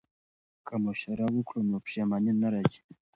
که مشوره وکړو نو پښیماني نه راځي.